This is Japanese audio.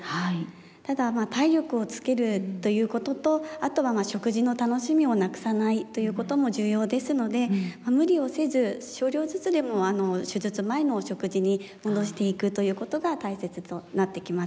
ただ体力をつけるということとあとは食事の楽しみをなくさないということも重要ですので無理をせず少量ずつでも手術前のお食事に戻していくということが大切となってきます。